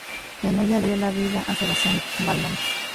En ella dio vida a Sebastián Valmont.